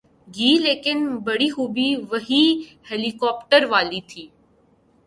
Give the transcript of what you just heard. گی‘ لیکن بڑی خوبی وہی ہیلی کاپٹر والی تھی۔